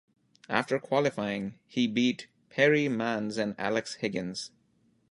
After qualifying he beat Perrie Mans and Alex Higgins.